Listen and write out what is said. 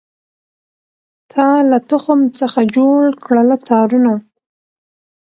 تا له تخم څخه جوړکړله تارونه